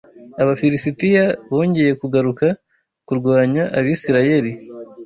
ABAFILISITIYA bongeye kugaruka kurwanya Abisirayeli